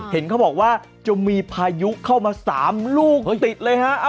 เห็นเขาบอกว่าจะมีพายุเข้ามา๓ลูกติดเลยฮะ